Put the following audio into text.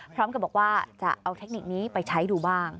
พร้อมกับบอกว่าจะเอาเทคนิคนี้ไปใช้ดูบ้าง